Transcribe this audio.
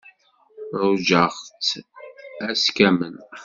Ṛujaɣ-tt ass kamel.